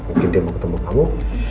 mungkin dia mau ketemu kamu